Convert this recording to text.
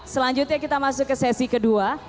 selanjutnya kita masuk ke sesi kedua